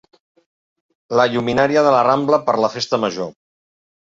La lluminària de la Rambla per la festa major.